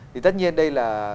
thì tất nhiên đây là